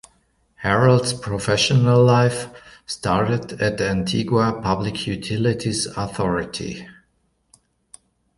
Harold's professional life started at the Antigua Public Utilities Authority.